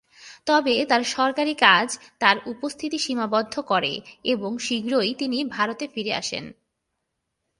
তবে তাঁর সরকারী কাজ তাঁর উপস্থিতি সীমাবদ্ধ করে এবং শীঘ্রই তিনি ভারতে ফিরে আসেন।